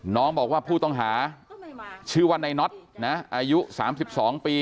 น้องบอกว่าผู้ต้องหาชื่อว่าในน็อตนะอายุ๓๒ปี